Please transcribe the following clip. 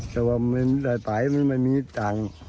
แต่ว่าไม่ได้ตายมันไม่มีจัง